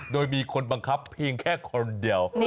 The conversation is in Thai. โดยมีคนบังคับเพียงแค่คนเดียว